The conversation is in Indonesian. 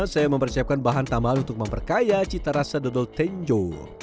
saya mempersiapkan bahan tambahan untuk memperkaya cita rasa dodol tenjo